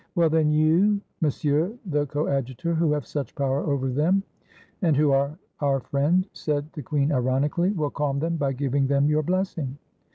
" Well, then, you, Monsieur the Coadjutor, who have such power over them, and who are our friend," said the queen ironically, "will calm them by giving them your blessing."